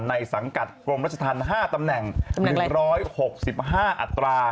สังกัดกรมรัชธรรม๕ตำแหน่ง๑๖๕อัตรา